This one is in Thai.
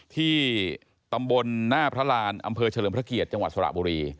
ที่ตำบลหน้าพระรานอำเภอเฉลิมพระเกียรติจังหวัดสระบุรี